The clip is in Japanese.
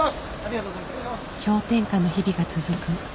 氷点下の日々が続く